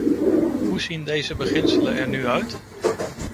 Hoe zien deze beginselen er nu uit?